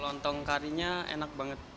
lontong karinya enak banget